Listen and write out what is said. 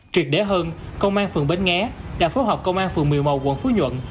triệt đế hơn công an phường bến nghé đã phối hợp công an phường một mươi một quận phú nhuận